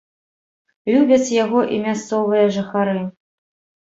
Любяць яго і мясцовыя жыхары.